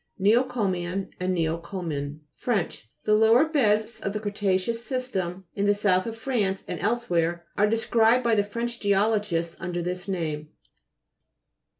NEOCO'MIAN and NEOCOMIEN Fr. The lower beds of the cretaceous system in the south of France and elsewhere, are described by the French geologists under this name.